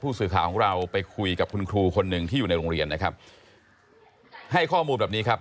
สื่อข่าวของเราไปคุยกับคุณครูคนหนึ่งที่อยู่ในโรงเรียนนะครับให้ข้อมูลแบบนี้ครับ